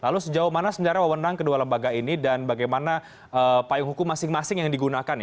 lalu sejauh mana sebenarnya wawonan kedua lembaga ini dan bagaimana payung hukum masing masing yang digunakan